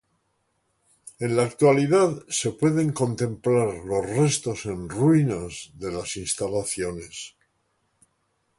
En la actualidad se pueden contemplar los restos en ruinas de las instalaciones.